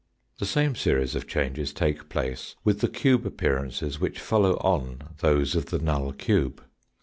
The same series of changes take place with the cube appearances which follow on those of the null cube.